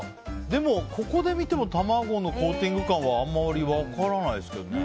でも、ここで見ても卵のコーティング感はあまり分からないですけどね。